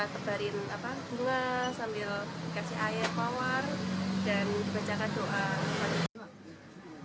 kita terbarin bunga sambil kasih air kawar dan juga cakap doa